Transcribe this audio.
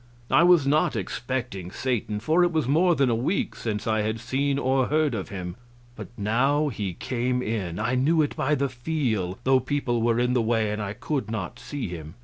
I was not expecting Satan, for it was more than a week since I had seen or heard of him, but now he came in I knew it by the feel, though people were in the way and I could not see him.